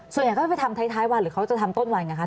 ส่วนใหญ่เขาจะไปทำท้ายวันหรือเขาจะทำต้นวันไงคะ